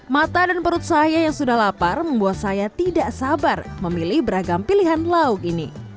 mata dan perut saya yang sudah lapar membuat saya tidak sabar memilih beragam pilihan lauk ini